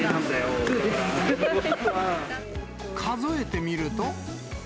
数えてみると。